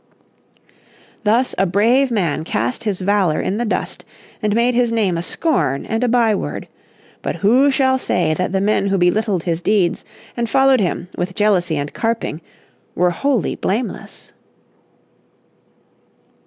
Thus a brave man cast his valour in the dust, and made his name a scorn and a by word. But who shall say that the men who belittled his deeds, and followed him with jealousy and carping, were wholly blameless?